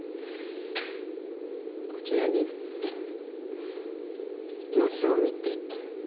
こちらに打って様子を見て。